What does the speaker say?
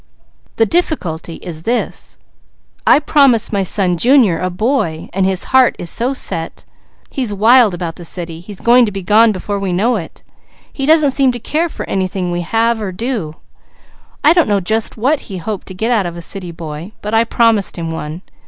The difficulty is this: I promised my son Junior a boy and his heart is so set. He's wild about the city. He's going to be gone before we know it. He doesn't seem to care for anything we have, or do. I don't know just what he hoped to get out of a city boy; but I promised him one.